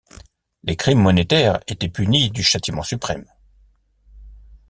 Les crimes monétaires étaient punis du châtiment suprême.